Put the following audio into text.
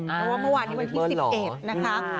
ไว้วันนี้วันที่๑๑นะคะ